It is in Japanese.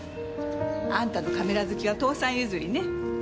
あんたのカメラ好きは父さん譲りね。